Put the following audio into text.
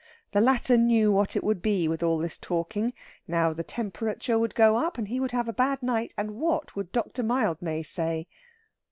The latter knew what it would be with all this talking now the temperature would go up, and he would have a bad night, and what would Dr. Mildmay say?